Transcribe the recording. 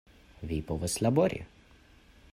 Vi povas labori!